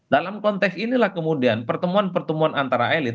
dalam konteks inilah kemudian pertemuan pertemuan antara elit